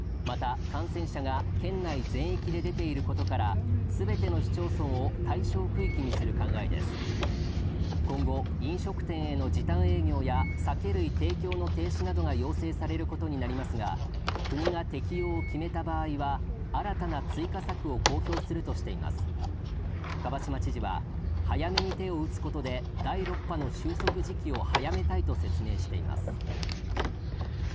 また感染者が県内全域で出ていることからすべての市町村を対象区域にする考えです今後飲食店の時短営業や酒類提供の停止などが要請されることになりますが国が適用を決めた場合は新たな追加策を公表するとしています蒲島知事は早めに手を打つことで第６波の収束時期を早めたいと説明しています